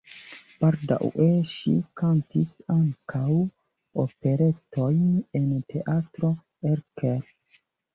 Baldaŭe ŝi kantis ankaŭ operetojn en Teatro Erkel.